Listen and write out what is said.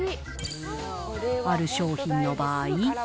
ある商品の場合。